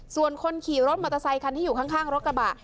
ส่วนคนขี่รถมอเตอร์ไซคันที่อยู่ข้างรถกระบะ